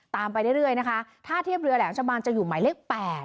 ไปเรื่อยนะคะถ้าเทียบเรือแหลมชะบานจะอยู่หมายเลข๘